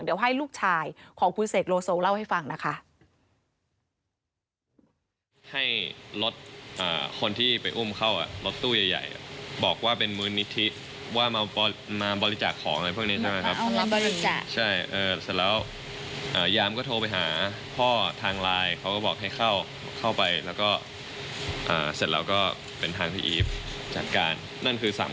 เดี๋ยวให้ลูกชายของคุณเสกโลโซเล่าให้ฟังนะคะ